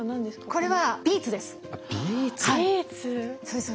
これはビーツです。